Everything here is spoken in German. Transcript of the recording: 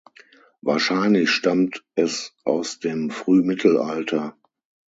Wahrscheinlich stammt es aus dem Frühmittelalter.